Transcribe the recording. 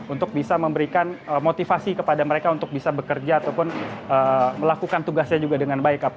untuk bisa memberikan motivasi kepada mereka untuk bisa bekerja ataupun melakukan tugasnya juga dengan baik